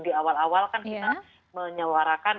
di awal awal kan kita menyuarakan